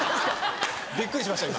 びっくりしました今。